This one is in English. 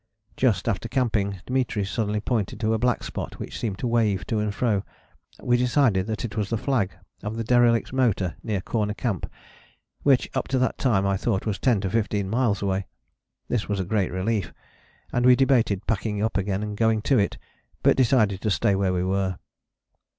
Just after camping Dimitri suddenly pointed to a black spot which seemed to wave to and fro: we decided that it was the flag of the derelict motor near Corner Camp which up to that time I thought was ten to fifteen miles away: this was a great relief, and we debated packing up again and going to it, but decided to stay where we were.